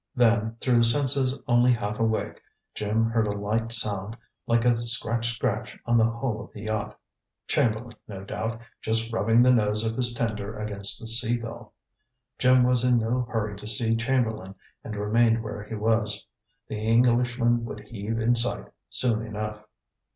Then, through senses only half awake, Jim heard a light sound, like a scratch scratch on the hull of the yacht. Chamberlain, no doubt, just rubbing the nose of his tender against the Sea Gull. Jim was in no hurry to see Chamberlain, and remained where he was. The Englishman would heave in sight soon enough.